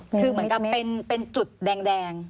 คือเหมือนกับเป็นจุดแดง